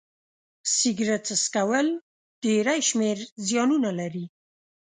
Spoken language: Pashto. سيګرټ څکول ډيری شمېر زيانونه لري